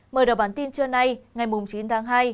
mời đọc bản tin trưa nay ngày chín tháng hai